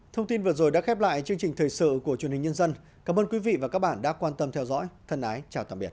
thông tin vừa rồi đã khép lại chương trình thời sự của truyền hình nhân dân cảm ơn quý vị và các bạn đã quan tâm theo dõi thân ái chào tạm biệt